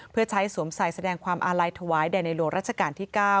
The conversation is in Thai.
เพื่อใช้สวมใส่แสดงความอาลัยถวายแด่ในหลวงรัชกาลที่๙